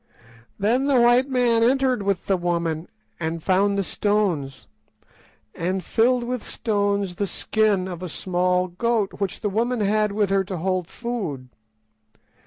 Then the white man entered with the woman, and found the stones, and filled with stones the skin of a small goat, which the woman had with her to hold food.